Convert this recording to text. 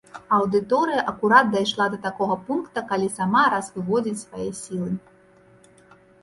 Аўдыторыя акурат дайшла да такога пункта, калі сама раз выводзіць свае сілы.